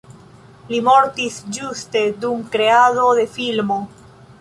Li mortis ĝuste dum kreado de filmo.